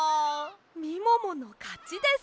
みもものかちです。